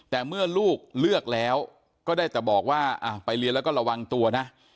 แต่เมื่อลูกเลือกแล้วก็ได้แต่บอกว่าไปเรียนแล้วก็ระวังตัวนะ